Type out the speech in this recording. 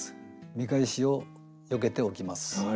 見返しをよけておきます。